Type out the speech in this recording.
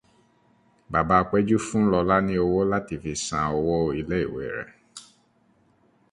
Bàbá Péjú fún Lọlá ní owó láti fi san owó ilé-ìwé rẹ̀.